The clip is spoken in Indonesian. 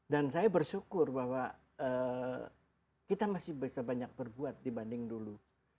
dan saya bersyukur bahwa kita masih bisa banyak berbuat dibanding dulu